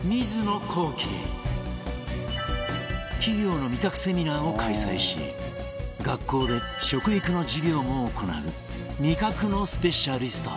企業の味覚セミナーを開催し学校で食育の授業も行う味覚のスペシャリスト